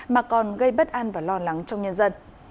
mà còn gây bất an và lo lắng trong nhân dân